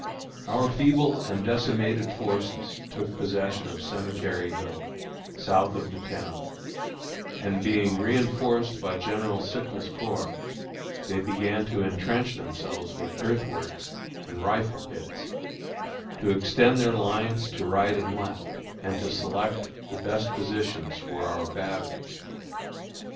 Our feeble and decimated forces took possession of Cemetery Hill, south of the town, and being reënforced by General Sickles' Corps, they began to intrench themselves with earthworks and rifle pits, to extend their lines to right and left, and to select the best positions for our batteries.